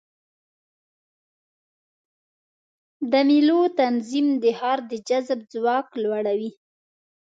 د مېلو تنظیم د ښار د جذب ځواک لوړوي.